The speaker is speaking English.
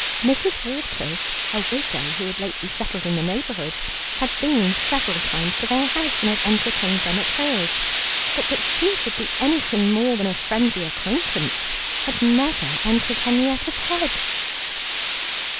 Mrs. Waters, a widow, who had lately settled in the neighbourhood, had been several times to their house and had entertained them at hers, but that she should be anything more than a friendly acquaintance had never entered Henrietta's head.